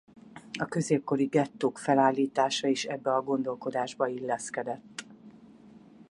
A középkori gettók felállítása is ebbe a gondolkodásba illeszkedett.